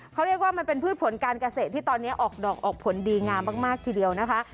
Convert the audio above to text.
เขาเรียกว่ามันเป็นพืชผลการเกษตรที่ตอนนี้ออกดอกออกผลดีงามมากทีเดียวนะคะ